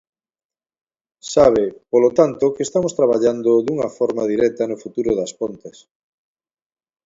Sabe, polo tanto, que estamos traballando dunha forma directa no futuro das Pontes.